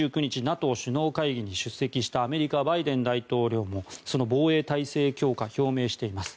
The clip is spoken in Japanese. ２９日、ＮＡＴＯ首脳会議に出席したアメリカのバイデン大統領もその防衛体制強化を表明しています。